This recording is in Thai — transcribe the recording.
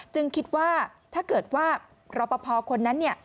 จึงคิดว่าถ้าเกิดว่ารับประพอคนนั้น